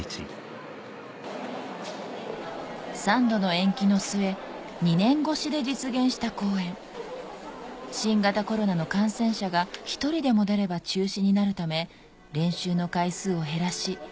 ３度の延期の末２年越しで実現した公演新型コロナの感染者が１人でも出れば中止になるため練習の回数を減らし